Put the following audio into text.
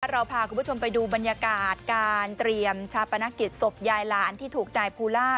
เราพาคุณผู้ชมไปดูบรรยากาศการเตรียมชาปนกิจศพยายหลานที่ถูกนายภูล่า